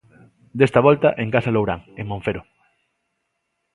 Desta volta, en Casa Lourán, en Monfero.